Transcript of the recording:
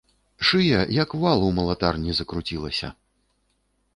Шыя, як вал у малатарні, закруцілася.